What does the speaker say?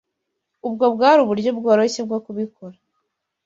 Ubwo bwari uburyo bworoshye bwo kubikora.